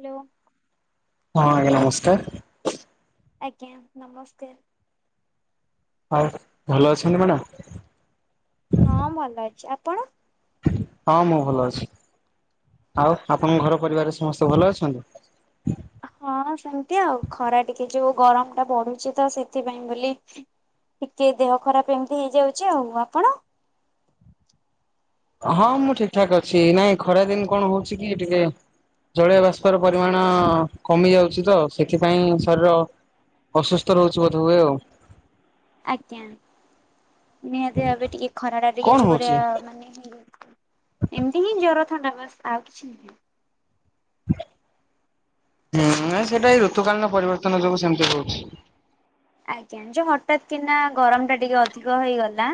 Hello. ହଁ ଆଜ୍ଞା ନମସ୍କାର। ଆଜ୍ଞା ନମସ୍କାର। ଆଉ ଭଲ ଅଛନ୍ତି ମ୍ୟାଡ଼ମ? ହଁ ଭଲ ଅଛି, ଆପଣ? ହଁ ମୁଁ ଭଲ ଅଛି, ଆଉ ଆପଣଙ୍କ ଘର ପରିବାର ସମସ୍ତେ ଭଲ ଅଛନ୍ତି? ହଁ ସେମିତି ଆଉ, ଖରା ଟିକେ ଯୋଉ ଗରମ ଟା ବଢୁଛି ତ ସେଥିପାଇଁ ବୋଲି ଟିକେ ଦେହ ଖରାପ ଏମିତି ହେଇଯାଉଛି, ଆଉ ଆପଣ? ହଁ ମୁଁ ଠିକ ଠାକ ଅଛି, ନାଇଁ ଖରା ଦିନ କଣ ହଉଛି କି ଟିକେ ଜଳୀୟବାଷ୍ପ ର ପରିମାଣ କମି ଯାଉଛି ତ ସେଥିପାଇଁ ଶରୀର ଅସୁସ୍ଥ ରହୁଛି ବୋଧ ହୁଏ ଆଉ। ଆଜ୍ଞା ନିହାତି ଭାବେ ଟିକେ ଖରା ଟା ଟିକେ କଣ ଜୋରେ ହଉଛି? ମାନେ ହେଇ ଏମିତି ହିଁ ଜ୍ୱର ଥଣ୍ଡା ବାସ୍ ଆଉ କିଛି ନୁହେଁ। ହୁଁ ସେଇଟା ଏଇ ଋତୁକାଳୀନ ପରିବର୍ତ୍ତନ ଯୋଗୁଁ ସେମିତି ହଉଛି। ଆଜ୍ଞା ଯୋଉ ହଠାତ୍ କିନା ଗରମ ଟା ଟିକେ ଅଧିକ ହେଇଗଲା।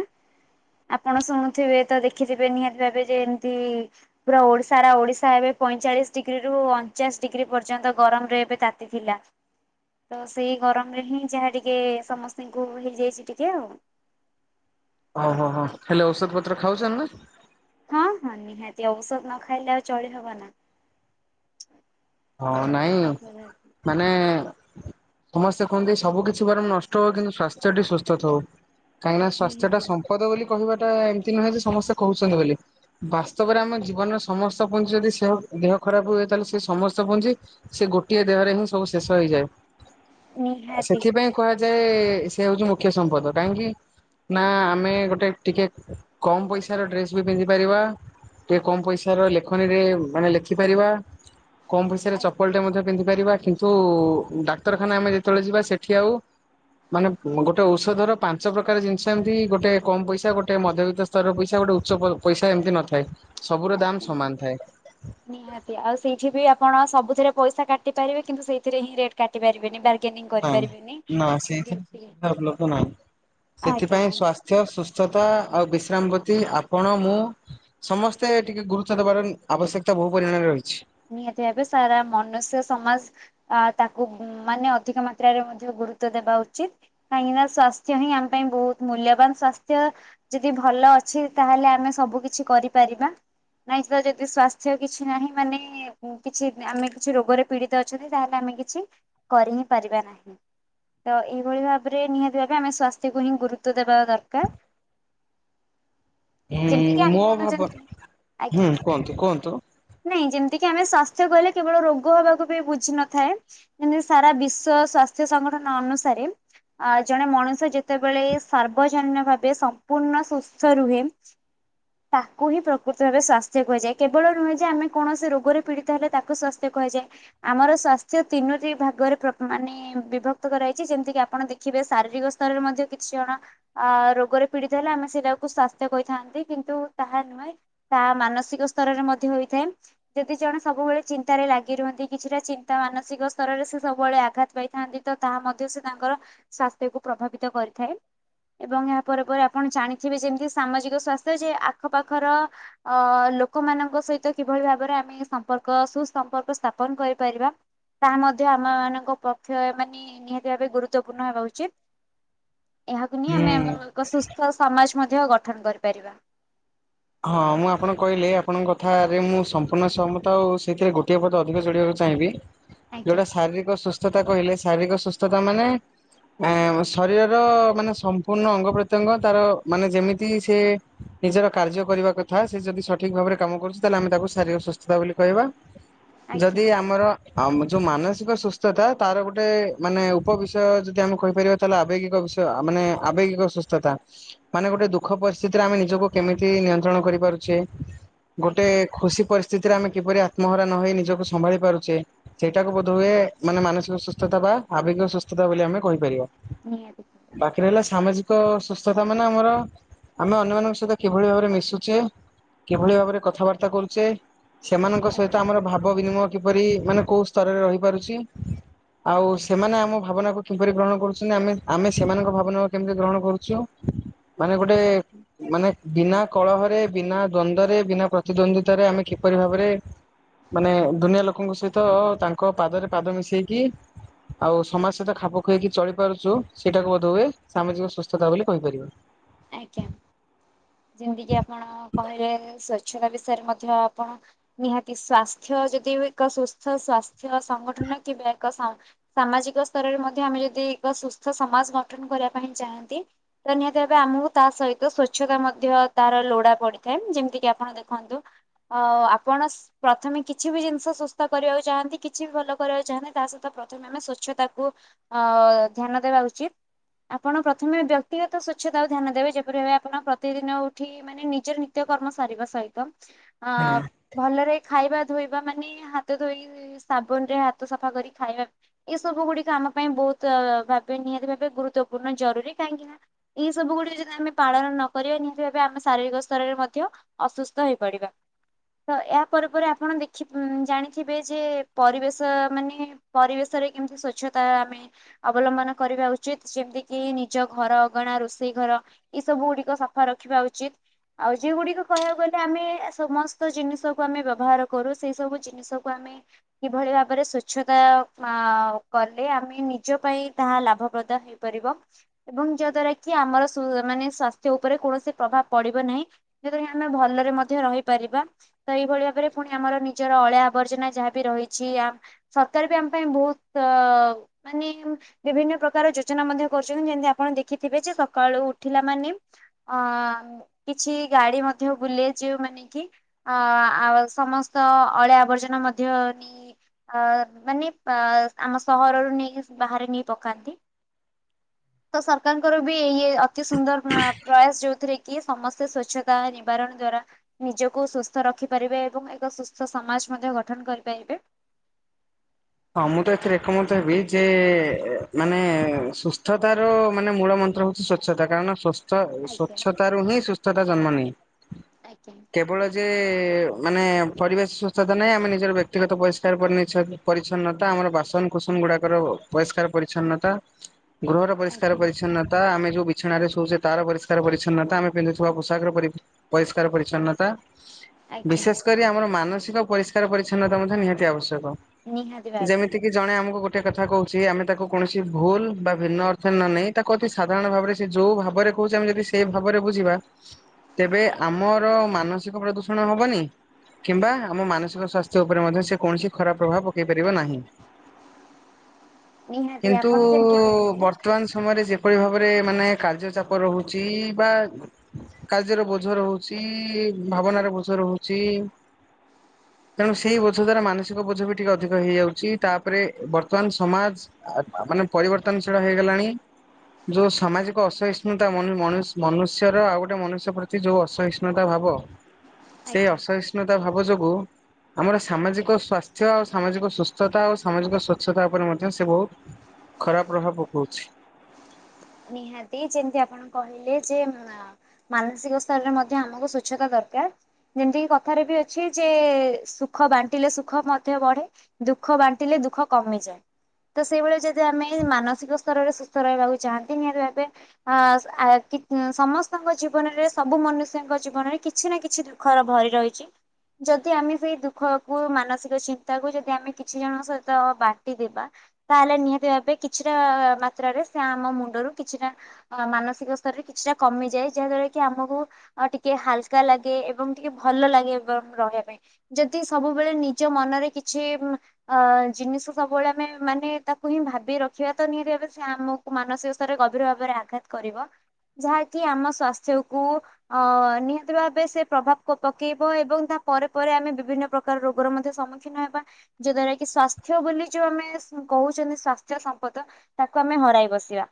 ଆପଣ ଶୁଣୁଥିବେ ତ ଦେଖିଥିବେ ନିହାତି ଭାବେ ଯେମିତି ପୁରା ଓଡ଼ିଶାରା ଓଡ଼ିଶା ଏବେ ପଇଁଚାଳିଶ ଡିଗ୍ରୀ ରୁ ଅଣଚାସ୍ ଡିଗ୍ରୀ ପର୍ଯ୍ୟନ୍ତ ଗରମ ରେ ଏବେ ତା ତି ଥିଲା, ତ ସେଇ ଗରମରେ ହିଁ ଯାହା ଟିକ ଟିକେ ସମସ୍ତଙ୍କୁ ହେଇଯାଇଛି ଟିକେ ଆଉ। ଓହୋ ହୋ ହେଲେ ଔଷଧ ପତ୍ର ଖାଉଚନ୍ତି ନା? ହଁ ହଁ ନିହାତି ଔଷଧ ନ ଖାଇଲେ ଆଉ ଚଳିହବ ନା। ହଁ ନାଇଁ ମାନେ ସମସ୍ତେ କୁହନ୍ତି ସବୁ କିଛି ବରଂ ନଷ୍ଟ ହଉ କିନ୍ତୁ ସ୍ଵାସ୍ଥ୍ୟ ଟି ସୁସ୍ଥ ଥାଉ କାହିଁକିନା ସ୍ଵାସ୍ଥ୍ୟ ଟା ନିହାତି ସମ୍ ମ୍ପଦ ବୋଲି କହିବାଟା ଏମିତି ନୁହେଁ ଯେ ସମସ୍ତେ କହୁଛନ୍ତି ବୋଲି। ବାସ୍ତବରେ ଆମ ଜୀବନର ସମସ୍ତ ପୁଜି ଯଦି ଦେହ ଖରାପ ହୁଏ ତାହେଲେ ସେ ସମ ପୁଞ୍ଜି ସେ ଗୋଟିଏ ଦେହରେ ହିଁ ସବୁ ଶେଷ ହେଇଯାଏ, ନିହାତି ସେଥିପାଇଁ କୁହାଯାଏ ସେ ହଉଛି ମୁଖ୍ୟ ସମ୍ପଦ କାହିଁକି? ନା ଆମେ ଗୋଟେ ଟିକେ କମ ପଇସାର ଡ୍ରେସ୍ ବି ପିନ୍ଧି ପାରିବା। ଟିକେ କମ୍ ପଇସାର ଲେଖନୀରେ ମାନେ ଲେଖିପାରିବା। କମ ପଇସାରେ ଆଜ୍ଞା ଚପଲଟେ ମଧ୍ୟ ପିନ୍ଧି ପାରିବା କିନ୍ତୁ ଡାକ୍ତରଖାନା ଆମେ ଯେତେବେଳେ ଯିବା ସେଠି ଆଉ ମାନେ ଗୋଟେ ଔଷଧର ପାଞ୍ଚ ପ୍ରକାର ଜିନିଷ ଏମିତି ଗୋଟେ କମ ପଇସା ଗୋଟେ ମଧ୍ୟବିତ୍ତ ସ୍ତରର ପଇସା ଗୋଟେ ଉଚ୍ଚ ପ ପଇସା ଏମିତି ନ ଥାଏ ସବୁର ର ଦାମ ସମାନ ଥାଏ। ନିଆଁ। ନିହାତି ଆଉ ସେଇଠି ବି ଆପଣ ସବୁଥିରେ ପଇସା କାଟି ପାରିବେ କିନ୍ତୁ ସେଇଥିରେ ହିଁ ରେଟ କାଟି ପାରିବେନି, ବାର ନାଇଁ ନା ସେଇଥିରେ ସୁବିଧା ଉପଲବ୍ଧ ନାହିଁ ସେଥିପାଇଁ ଆଜ୍ଞା। ସ୍ୱା ସ୍ୱାସ୍ଥ୍ୟ ସୁସ୍ଥତା ଆଉ ବିଶ୍ରାମ ବତି ଆପଣ ମୁଁ ସମସ୍ତେ ଟିକେ ଗୁରୁତ୍ୱ ଦବାର ଆବଶ୍ୟକତା ବହୁ ପରିମାଣରେ ରହିଛି। ନିହାତି ଭାବେ ସାରା ମନୁଷ୍ୟ ସମାଜ ଆ ତାକୁ ମାନେ ଅଧିକ ମାତ୍ରାରେ ମଧ୍ୟ ଗୁରୁତ୍ୱ ଦେବା ଉଚିତ। କାହିଁକି ନା ସ୍ଵାସ୍ଥ୍ୟ ହିଁ ଆମ ପାଇଁ ବହୁତ ମୂଲ୍ୟବାନ ସ୍ୱାସ୍ଥ୍ୟ। ଯଦି ଭଲ ଅଛି ତାହେଲେ ଆମେ ସବୁ କିଛି କରିପାରିବା। ନାଇଁ ତ ଯଦି ସ୍ଵାସ୍ଥ୍ୟ କିଛି ନାହିଁ ମାନେ କିଛି ଆମେ କିଛି ରୋଗରେ ପୀଡିତ ଅଛନ୍ତି ତାହେଲେ ଆମେ କିଛି କରି ହିଁ ପାରିବା ନାହିଁ। ତ ଏହିିଭଳି ଭାବରେ ନିହାତି ଭାବେ ଆମେ ସ୍ୱାସ୍ଥ୍ୟକୁ ହିଁ ଗୁରୁତ୍ୱ ଦେବା ଦରକାର। ଯେମିତି କିି ଉଁ ଆମେ ମୋ କଣ ଭାବ ଯେମିତି ଆଜ୍ଞା। ହୁଁ କୁହନ୍ତୁ କୁହନ୍ତୁ। ନାଇଁ ଯେମିତିକି ଆମେ ସ୍ଵାସ୍ଥ୍ୟ କହିଲେ କେବଳ ରୋଗ ହବା କୁ ବି ବୁଝିିନଥାଏ। ମାନେ ସାରା ବିଶ୍ୱ ସ୍ୱାସ୍ଥ୍ୟ ସଂଗଠନ ଅନୁସାରେ ଆ ଜଣେ ମଣିଷ ଯେତେବେଳେ ସାର୍ବଜନୀନ ଭାବେ ସମ୍ପୂର୍ଣ୍ଣ ସୁସ୍ଥ ରୁହେ। ତାକୁ ହିଁ ପ୍ରକୃତ ଭାବେ ସ୍ୱାସ୍ଥ୍ୟ କୁହାଯାଏ କେବଳ ନୁହେଁ ଯେ ଆମେ କୌଣସି ରୋ ଗରେ ପୀଡିତ ହେଲେ ତାକୁ ସ୍ୱାସ୍ଥ୍ୟ କୁହାଯାଏ ଆମର ସ୍ୱାସ୍ଥ୍ୟ ତିନୋଟି ଭାଗରେ ମାନେ ବିଭକ୍ତ କରାଯାଇଛି ଯେମିତି କିି ଆପଣ ଦେଖିବେ ଶାରୀରିକ ସ୍ତରରେ ମଧ୍ୟ କିଛି ଜଣ ଆ ରୋଗରେ ପୀଡିତ ହେଲେ ଆମେ ସେଇଟାକୁ ସ୍ଵାସ୍ଥ୍ୟ କହିଥାନ୍ତି କିନ୍ତୁ ତାହା ନୁହେଁ। ତାହା ମାନସିକ ସ୍ତରରେ ମଧ୍ୟ ହୋଇଥାଏ। ଯଦି ଜଣେ ସବୁବେଳେ ଚିନ୍ତାରେ ଲାଗି ରୁହନ୍ତି କିଛିଟା ଚିନ୍ତା ମାନସିକ ସ୍ତରରେ ସେ ସବୁବେଳେ ଆଘାତ ପାଇଥାନ୍ତି। ତ ତାହା ମଧ୍ୟ ସେ ତାଙ୍କର ସ୍ୱାସ୍ଥ୍ୟକୁ ପ୍ରଭାବିତ କରିଥାଏ। ଏବଂ ଏହା ପରେ ପରେ ଆପଣ ଜାଣିଥିବେ ଯେମିତି ସାମାଜିକ ସ୍ଵାସ୍ଥ୍ୟ ଯେ ଆଖପାଖର ଅ ଲୋକମାନଙ୍କ ସହିତ କିଭଳି ଭାବରେ ଆମ ସମ୍ପର୍କ ସୁସମ୍ପର୍କ ସ୍ଥାପନ କରିପାରିବା। ତାହା ମଧ୍ୟ ଆମ ମାନଙ୍କ ପକ୍ଷ ମାନେ ନିହାତି ଭାରେ ଗୁରୁତ୍ୱପୂର୍ଣ୍ଣ ହେବା ଉଚିତ। ଏହାକୁ ନେଇ ହୁଁ ଆମେ ଆମ ଏକ ସୁସ୍ଥ ସମାଜ ମଧ୍ୟ ଗଠନ କରିପାରିବା। ହଁ ମୁଁ ଆପଣ କହିଲେ ଆପଣଙ୍କ କଥାରେ ମୁଁ ସମ୍ପୂଣ୍ଣ ସହମତା ଆଉ ସେଥିରେ ଗୋଟିଏ ପଦ ଅଧିକ ଯୋଡ଼ିବାକୁ ବ ଆଜ୍ଞା ଯୋଉଟା ଶାରୀରିକ ସୁସ୍ଥତା କହିଲେ ଶାରୀରିକ ସୁସ୍ଥତା ମାନେ ଆ ଶରୀରର ମାନେ ସମ୍ପୂର୍ଣ୍ଣ ଅଙ୍ଗ ପ୍ରତ୍ୟଙ୍ଗ ତାର ମାନେ ଯେମିତି ସେ ନିଜର କାର୍ଯ୍ୟ କରିବା କଥା ସେ ଯଦି ସଠିକ ଭାବରେ କାମ କରୁଛି ତାହେଲେ ଆମେ ତାକୁ ଶାରୀରିକ ସୁସ୍ଥତା ବୋଲି କହିବା। ଆଜ୍ଞା ଯଦି ଆମର ଆଉ ଯୋଉ ମାନସିକ ସୁସ୍ଥତା ତାର ଗୋଟେ ମାନେ ଉପବିଷୟ ଯଦି ଆମେ କହିପାରିବା ଆବେଗ ବିୟ ମାନେ ଆବେଗିକ ସୁସ୍ଥତା ମାନ ଗଟେ ଦୁଃଖ ପରିସ୍ଥିତିରେ ଆମେ ନିଜକୁ କେମିତି ନିୟନ୍ତ୍ରଣ କରିପାରୁଛେ ଗୋଟେ ଆଜ୍ଞା ଖୁସି ପରିସ୍ଥି ସ୍ଥିତିରେ ଆମେ କିପରି ଆତ୍ମହରା ନହଇ ନିଜକୁ ସମ୍ଭାଳି ପାରୁଛେ। ସେଇଟାକୁ ବୋଧ ହୁଏ ମାନେ ମାନସିକ ସୁସ୍ଥତା ବା ଆବଗିକ ସୁସ୍ଥତା ବୋଲି ଆମେ କହିପାରିବା। ନିଁ ବାକି ରହିଲା ସାମାଜିକ ସୁସ୍ଥତା ମାନେ ଆମର ଆମେ ଅନ୍ୟମାନଙ୍କ ସହିତ କିଭଳି ଭାବରେ ମିଶୁଛେ କିଭଳି ଭାବରେ କଥାବାର୍ତ୍ତା କରୁଛେ ସେମାନଙ୍କ ଆଜ୍ଞା ସହିତ ଆମର ଭାବ ବିନିମୟ କିପରି ମାନେ କୋଉ ସ୍ତରରେ ରହିପାରୁଛି। ଆଉ ସେମାନେ ଆମ ଭାବନାକୁ କିପରି ଗ୍ରହଣ କରୁଛନ୍ତି ଆମେ ସେମାନଙ୍କ ଭାବନାକୁ କେମିତି ଗ୍ରହଣ କରୁଛୁ। ମାନେ ଗୋଟେ ଆଜ୍ଞା ମାନେ ବିନା କଳହରେ ବିନା ଦ୍ଵନ୍ଦରେ ବିନା ପ୍ରତିଦ୍ୱନ୍ଦିତା ରେ ଆମେ କିପରି ଭାବରେ ମାନେ ଦୁନିଆ ଲୋକଙ୍କ ସହିତ ତାଙ୍କ ପାଦରେ ପାଦ ମିଶେଇକି ଆଉ ସମାଜ ସହିତ ଖାପ ଖୁଆଇକି ଚଳି ପାରୁଛୁ ସେଇଟାକୁ ବୋଧ ହୁଏ ସାମାଜିକ ସୁସ୍ଥତା ବୋଲି କହିପାରିବେ। ଆଜ୍ଞା ଯେମିତି କିି ଆପଣ କହିଲେ ସ୍ଵଚ୍ଛତା ବିଷୟରେ ମଧ୍ୟ ଆପଣ ନିହାତି ସ୍ଵାସ୍ଥ୍ୟ ଯଦି ଏକ ସୁସ୍ଥ ସ୍ଵାସ୍ଥ୍ୟ ସଂଗଠନ କିବେ ସାମାଜିକ ସ୍ତରରେ ମଧ୍ୟ ଆମେ ଯଦି ଏକ ସୁସ୍ଥ ସମାଜ ଗଠନ କରିବା ପାଇଁ ଚାହାନ୍ତି [unintelligible] ଏ ଆମକୁ ତା ସହିତ ସ୍ଵଚ୍ଛତା ମଧ୍ୟ ତାର ଲୋଡା ପଡିଥାଏ ଯେମିତିକି ଆପଣ ଦେଖନ୍ତୁ ଅ ଆପଣ ପ୍ରଥମେ କିଛି ବି ଜିନିଷ ସୁସ୍ଥ କରିବାକୁ ଚାହାଁନ୍ତି କିଛି ବି ଭଲ କରିବାକୁ ଚାହାଁନ୍ତି ତା ସହିତ ଆମେ ସଵଚ୍ଛତାକୁୁ ଅ ଧ୍ୟାନ ଦେବା ଉଚିତ ଆପଣ ପ୍ରଥମେ ବ୍ୟକ୍ତିଗତ ସ୍ୱ ଛ ତାକୁ ଧ୍ୟାନ ଦେବେ ଯେପରି ଭା ଆପଣ ପ୍ରତିଦିନ ଉଠି ମାନେ ନିଜର ନିତ୍ୟ କର୍ମ ସାରିବା ସହିତ ଆ ଭଲରେ ଖାଇବା ଧୋଇବା ମାନେ ହାତ ଧୋଇ ସାବୁନ ରେ ହାତ ସଫା କରି ଖାଇବା। ଏ ସବୁ ଗୁଡିକ ଆମ ପାଇଁ ବହୁତ ଭାବେ ନିହାତି ଭାବେ ଗୁରୁତ୍ୱପୂର୍ଣ୍ଣ ଜରୁରୀ କାହିଁକି ନା ଏଇ ସବୁ ଗୁଡିକ ଯଦି ଆମେ ପାଳନ ନ କରିବା ନିହାତି ଭାବେ ଆମେ ଶାରୀରିକ ସ୍ତରରେ ମଧ୍ୟ ଅସୁସ୍ଥ ହେଇପଡିବା। ତ ଏହାପ ପରେ ଆପଣ ଦେଖି ଜାଣିଥିବେ ଯେ ପରିବେଶ ମାନେ ପରିବେଶରେ କେମିତି ସ୍ଵଚ୍ଛତା ଆମେ ଅବଲମ୍ବନ କରିବା ଉଚିତ ଯେମିତି କି ନିଜ ଘର ଅଗଣା ରୋଷେଇ ଘର ଏଇ ସବୁ ଗୁଡିକ ସଫା ରଖିବା ଉଚିତ। ଆଉ ଯଗୁଡିକ କହିବାକୁ ଗଲେ ଆମେ ସମସ୍ତ ଜିନିଷ କୁ ଆମେ ବ୍ୟବହାର କରୁ ସେଇ ସବୁ ଜ ଜିନିଷକୁ ଆମେ କିଭଳି ଭାବରେ ସ୍ଵଚ୍ଛତା କଲେ ଆମେ ନିଜ ପାଇଁ ତାହା ଲାଭପ୍ରଦ ହେବ ଏବଂ ଯାହା ଦ୍ଵାରା କି ଆମର ମାନେ ସ୍ଵାସ୍ଥ୍ୟ ଉପରେ କୌଣସି ପ୍ରଭାବ ପଡିବ ନାହିଁ। ଯେଥି ଆମେ ଭଲରେ ମଧ୍ୟ ରହିପାରିବା। ତ ଏଇଭଳି ଭାବରେ ପୁଣି ଆମର ନିଜର ଅଳିଆ ଆବର୍ଜନା ଯାହାବି ରହିଛି ଆ ସରକାର ବି ଆମ ପାଇଁ ବହୁତ ମାନେ ବିଭିନ୍ନ ପ୍ରକାର ଯୋଜନା ମଧ୍ୟ କରୁଛନ୍ତି ଯେମତି ଆପଣ ଦେଖ ଦେଖିଥିବେ ଯେ ସକାଳୁ ଉଠିଲା ମାନେ ଅ କିଛି ଗାଡି ମଧ୍ୟ ବୁଲେ ଯୋଉ ମାନେ କି ଅ ଆଉ ସମସ୍ତ ଅଳିଆ ଆବର୍ଜନା ମଧ୍ୟ ନି ମାନେ ଆମ ସହରରୁ ନେଇକି ବାହାରେ ନେଇ ପକାନ୍ତି। ତ ସରକାରଙ୍କର ବି ଇଏ ଅତି ସୁନ୍ଦର ପ୍ରୟାସ ଯୋଉଥିରେ କି କି ସମସ୍ତେ ସଵଚ୍ଛତା ନିବାରଣ ଦ୍ଵାରା ନିଜକୁ ସୁସ୍ଥ ରଖିପାରିବେ ଏବଂ ଏକ ସୁସ୍ଥ ସମାଜ ମଧ୍ୟ ଗଠନ କରିପାରିବେ। ହଁ ମୁଁ ତ ଏଥିରେ ଏକମତ ହେବି ଯେ ମାନେ ସୁସ୍ଥତାର ମାନେ ମୂଳ ମନ୍ତ୍ର ହଉଛି ସ୍ୱ ସ୍ୱଚ୍ଛତା କାରଣସ୍ ଆଜ୍ଞା ସ୍ୱଚ୍ଛତା ର ହିଁ ସୁସ୍ଥତା ଜନ୍ମ ନି ଆଜ୍ଞା। କେବଳ ଯେ ମାନେ ପରିବେଶ ସୁସ୍ଥତା ନାହିଁ ଆମେ ନିଜର ବ୍ୟକ୍ତିଗତ ପରିଷ୍କାର କରି [unintelligible] ପରିଚ୍ଛନ୍ନତା ଆମର ବାସନ ଫୁସନ ଗୁଡାକର ପରିଷ୍କାର ପରିଚଛନ୍ନତା ଗୃହର ପରିଷ୍କାର ଆଜ୍ଞା ପରିଚ୍ଛନ୍ନତା ଆମେ ଯୋଉ ବିଛଣାରେ ଶୁଛେ ତାର ପରିଷ୍କାର ପରିଚ୍ଛନ୍ନତା ଆମେ ପିନ୍ଧୁଥିବା ପୋଷାକ ପରି ପରିଷ୍କାର ପରିଚ୍ଛନ୍ନତା। ଆଜ୍ଞା ବିଶେଷ କରି ଆମର ମାନସିକ ପରିଷ୍କାର ପରିଚଛନ୍ନତା ମଧ୍ୟ ନିହାତି ଆବଶ୍ୟକ। [unintelligible] ଯେମିତି କିି ଜଣେ ଆମକୁ ଗୋଟେ କଥା କହୁଛି ଆମେ ତାକୁ କୌଣସି ଭୁଲ ବା ଭିନ୍ନ ଅର୍ଥ ନ ନେଇ ତା ତି ସାଧାରଣ ଭାବରେ ସେ ଯୋଉ ଭାବରେ କହୁଛି ଆମେ ଯଦି ସେଇ ଭାବରେ ବୁଝିବା ତେବେ ଆମର ମାନସିକ ପ୍ରଦୂଷଣ ହବନି କିମ୍ବା ଆମ ମାନସିକ ସଵାସ୍ଥ୍ୟ ଉପରେ ମଧ୍ୟ ସେ କୌଣସି ଖରାପ ପ୍ରଭାବ ନା ନିହାତି କିନ୍ତୁ ଆପଣ ଯେମିତି ବର୍ କହିଲେ ବର୍ତ୍ତମାନ ସମୟରେ ଯେପଳି ଭାବରେ ମାନେ କାର୍ଯ୍ୟ ଚାପ ରହୁଛି ବା କାର୍ଯ୍ୟର ବୋଝ ରହୁଛି ଭାବନାର ବୋଝ ରହୁଛି। ତେଣୁ ସେଇ ବୋଝ ଦ୍ଵାରା ମାନସିକ ବୋଝ ବି ଟିକେ ଅଧିକ ହେଇଯାଉଛି ତାପରେ ବର୍ତ୍ତମାନ ସମାଜ ଆ ମାନେ ପରିବର୍ତ୍ତନ ସେଟା ହେଇଗଲାଣି। ଯୋଉ ସାମାଜିକ ଅସହିଷ୍ଣୁତା ମନୁଷ୍ୟର ଆଉ ଗୋଟେ ମନୁଷ୍ୟ ପ୍ରତି ଯୋଉ ଅସହିଷ୍ଣୁତା ଭାବ ସେଇ ଆଜ୍ଞା ଅସହିଷ୍ଣୁତା ଭାବ ଯୋଗୁ ଆମର ସାମାଜିକ ସ୍ୱାସ୍ଥ୍ୟ ସ ଆଉ ସାମାଜିକ ସୁସ୍ଥତା ଆଉ ସାମାଜିକ ସ୍ୱଚ୍ଛତା ଉପରେ ମଧ୍ୟ ସେ ବହୁତ ଖରାପ ପ୍ରଭାବ ପକଉଛି। ନିହାତି ଯେମିତି ଆପଣ କହିଲେ ଯେ ମାନସିକ ସ୍ତରରେ ମଧ୍ୟ ଆମକୁ ସ୍ୱଚ୍ଛତା ଦରକାର। ଯେମିତିକି କଥାରେ ବି ଅଛି ଯେ ସୁଖ ବାଣ୍ଟିଲେ ସୁଖ ମଧ୍ୟ ବଢ଼େ। ଦୁଃଖ ବାଣ୍ଟିିଲ ଦୁଃଖ କମେ। ତ ସେଇଭଳି ଯଦି ଆମେ ମାନସିକ ସ୍ତରରେ ସୁସ୍ଥ ରହିବାକୁ ଚାହାଁନ୍ତି ନିହାତି ଭାବେ ଅ ଆ କି ସମସ୍ତଙ୍କ ଜୀବନରେ ସବୁ ମନୁଷ୍ୟଙ୍କ ଜୀବନରେ କିଛି ନା କିଛି ଖର ଭରି ରହିଛି। ଯଦି ଆମେ ସେଇ ଦୁଃଖକୁ ମାନସିକ ଚିନ୍ତାକୁ ଯଦି ଆମେ କିଛି ଜଣଙ୍କ ସହିତ ବାଣ୍ଟିଦେବା ତାହେଲେ ନିହାତି ଭାବେ କିଛିଟା ମାତ୍ରାରେ ସେ ଆମ ମୁଣ୍ଡରୁ କିଛିଟା ଅ ମାନସିକ ସ୍ତରରେ କିଛିଟା କମିଯାଏ ଯାହା ଦ୍ଵାରା କି ଆମକୁ ଆ ଟିକେ ହାଲକା ଲାଗେ ଏବଂ ଟିକେ ଭଲ ଲାଗେ ଏବଂ ରହିବା ପାଇଁ। ଯଦି ସବୁବେଳେ ନିଜ ମନରେ କିଛି ଅ ଜିନିଷ ସବୁବେଳେ ଆମେ ମାନେ ତାକୁ ହିଁ ଭାବି ରଖିବା ତ ନିହାତି ଭାବେ ସେ ଆମକୁ ମାନସିକ ଗଭୀର ଭାବରେ ଆଘାତ କରିବ ଯାହାକି ଆମ ସ୍ୱାସ୍ଥ୍ୟକୁ ଅ ନିହାତି ଭାବେ ସେ ପ୍ରଭାବକୁ ପକେଇବ ଏବଂ ତା ପରେ ପରେ ଆମେ ବିଭିନ୍ନ ପ୍ରକାର କାର ରୋଗରେ ମଧ୍ୟ ସମ୍ମୁଖୀନ ହେବା। ଯ ଦ୍ୱାରା କି ସ୍ଵାସ୍ଥ୍ୟ ବୋଲି ଯୋଉ ଆମେ କହୁଛନ୍ତି ସ୍ଵାସ୍ଥ୍ୟ ସମ୍ପଦ ତାକୁ ଆମେ ହରାଇ ବସିବା।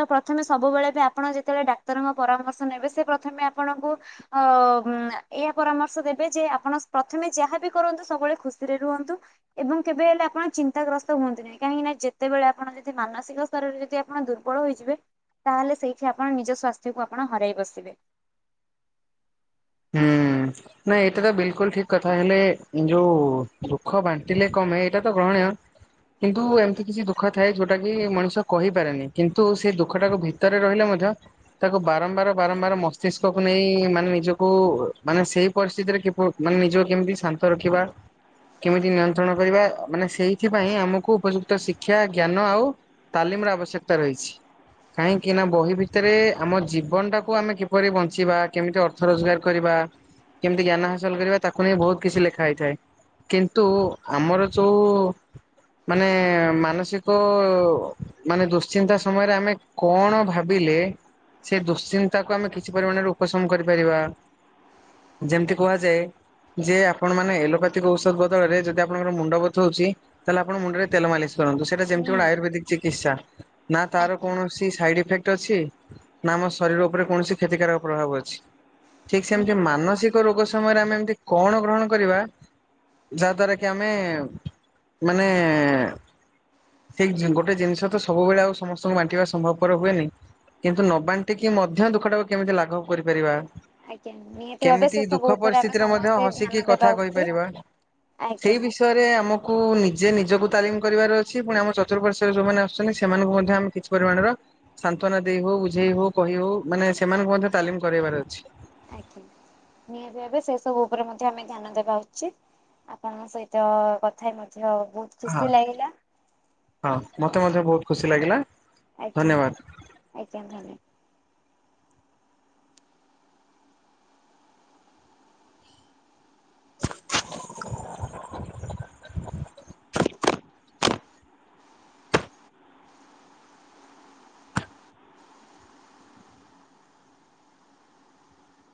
ତ ପ୍ରଥମେ ସବୁବେଳେ ବେ ଆପଣ ଯେତେବେଳେ ଡାକ୍ତରଙ୍କ ପରାମର୍ଶ ନେବେ ସେ ପ୍ରଥମେ ଆପଣଙ୍କୁ ହ ହୁଁ ଏଆ ପରାମର୍ଶ ଦେବେ ଯେ ଆପଣ ପ୍ରଥମେ ଯାହାବି କରନ୍ତୁ ସବୁବେଳେ ଖୁସିରେ ରୁଅନ୍ତୁ। ଏବଂ କେବେ ହେଲେ ଆପଣ ଚିନ୍ତାଗ୍ରସ୍ତ ହୁଅନ୍ତି ନାହିଁ। କାହିଁକି ନା ଯେତେବେଳେ ଆପଣ ଯଦି ମାନସିକ ସ୍ତରରେ ଯଦି ଆ ପଣ ଦୁର୍ବଳ ହୋଇଯିବେ ତାହେଲେ ସେଇଠି ଆପଣ ନିଜ ସ୍ୱାସ୍ଥ୍ୟକୁ ଆପଣ ହରାଇ ବସିବେ। ହୁଁ। ନାଇଁ ଏଇଟା ତ ବିଲକୁଲ୍ ଠିକ୍ କଥା ହେଲେ ଯୋଉ ଦୁଃଖ ବାଣ୍ଟିଲେ କମେ ଏଇଟା ତ ଗ୍ରହଣୀୟ। କିନ୍ତୁ ଏମ୍ତି କିଛି ଦୁଖ ଥାଏ ଯୋଉଟା ଟା କି ମଣିଷ କହିପାରେନି କିନ୍ତୁ ସେ ଦୁଃଖ ଟାକୁ ଭିତରେ ରହିଲେ ମଧ୍ୟ ତାକୁ ବାରମ୍ବାର ବାରମ୍ବାର ମସ୍ତିଷ୍କକୁ ନେଇ ମାନେ ନିଜ ପୁ ମାନେ ସେଇ ପରିସ୍ଥିତିରେ କିପ ମାନେ ନିଜକୁ କେମିତି ଶାନ୍ତ ରଖିବା। କେମିତି ନିୟନ୍ତ୍ରଣ କରିବା ମାନେ ସେଇଥିପାଇଁ ଆମକୁ ଉପଯୁକ୍ତ ଶିକ୍ଷା ଜ୍ଞାନ ଆଉ ତାଲିମ୍ ର ଆବଶ୍ୟକତା ରହିଛି। କାହିଁକିନା ବହି ଭିତରେ ଆମ ଜୀବନ୍ ଟାକୁ ଆମେ କିପରି ବଞ୍ଚିବା କେମିତି ଅର୍ ର୍ଥ ରୋଜ୍ଗାର୍ କରିବା କେମତି ଜ୍ଞାନ ହାସଲ୍ କରିବା ତାକୁ ନେଇ ବହୁତ୍ କିଛି ଲେଖା ହେଇଥାଏ। କିନ୍ତୁ ଆମର ଯୋଉ ମାନେ ମାନସିକ ମାନେ ଦୁଶ୍ଚିନ୍ତା ସମୟରେ ଆମେ କଣ ଭାବିଲେ ସେ ଦୁଶ୍ଚିନ୍ତାକୁ ଆମେ କିଛି ପରିମାଣ୍ ରେ ଉପଶମ୍ କରିପାରିବା। ଯେମତି କୁହାଯାଏ ଯେ ଆପଣ ମାନେ ଏଲୋପାତିକ୍ ଔଷଦ୍ ବଦଳରେ ଯଦି ଆପଣଙ୍କର୍ ମୁଣ୍ଡ ବଥଉଛି ତାହେଲେ ଆପଣ ମୁଣ୍ଡରେ ତେଲ ମାଲିସ୍ କରନ୍ତୁ। ସେଟା ଯେମତି ଗୋଟେ ନିହାତି ଆୟୁର୍ବେଦିକ୍ ଚିକିତ୍ସା ନା ତାର ଆଜ୍ଞା କୌଣସି ସାଇଡିଇଫେକ୍ଟ ଅଛି ନା ଆମ ଶରୀର ଉପରେ କୌଣସି କ୍ଷତିକାରକ ପ୍ରଭାବ ଅଛି। ଠିକ୍ ସେମତି ନିହାତି ଆଜ୍ଞା। ମାନସିକ ରୋଗ ସମୟରେ ଆମେ ଏମତି କଣ ଗ୍ରହଣ କରିବା ଯାହାଦ୍ଵାରା କି ଆମେ ମାନେ ସେଇ ଜିନ ଗୋଟେ ଜିନିଶ ତ ସବୁବେଳେ ଆଉ ସମସ୍ତଙ୍କୁ ବାଣ୍ଟିବା ସମ୍ଭବ୍ ପର ହୁଏନି। କିନ୍ତୁ ନ ବାଣ୍ଟି କି ମଧ୍ୟ ଦୁଃଖଟାକୁ କେମିତି ଲାଘଭ୍ କରିପାରିବା। ଆଜ୍ଞା ନିହାତି ଭାବେ କେମିତି ସେ ସବୁ ଦୁଃଖ ଉପରେ ଆମେ ପରିସ୍ଥିତିରେ ମଧ୍ୟ ସମସ୍ତେ ଧ୍ୟାନ ହସିକି ଦେବା କଥା ଉଚିତ। କହିପାରିବା। ସେଇ ଆଜ୍ଞା ବିଷୟରେ ଆମକ୍ କୁ ନିଜେ ନିଜକୁ ତାଲିମ୍ କରିବାର ଅଛି ପୁଣି ଆମ ଚତୁର୍ପାଶ୍ୱ ରେ ଯୋଉମାନେ ଅଛନ୍ତି ସେମାନଙ୍କୁ ମଧ୍ୟ ଆମେ କିଛି ପରିମାଣର ସାନ୍ତ୍ୱନା ଦେଇ ହୋଉ ବୁଝେଇ ହୋଉ କହିବୁ ମାନେ ସେମାନଙ୍କୁ ମଧ୍ୟ ତାଲିମ୍ କରେଇବାର ଅଛି। ଆଜ୍ଞା ନିହାତି ଭାବେ ସେ ସବୁ ଉପରେ ମଧ୍ୟ ଆମେ ଧ୍ୟାନ ଦେବା ଉଚିତ୍। ଆପଣଙ୍କ ସହିତ କଥା ହେଇ ମଧ୍ୟ ବହୁତ୍ ହଁ, ହଁ ମୋତେ ମଧ୍ୟ ବହୁତ ଖୁସି ଲାଗିଲା। ଆଜ୍ଞା, ଧନ୍ୟବାଦ। ଆଜ୍ଞା ଧନ୍ଯ [inaudible]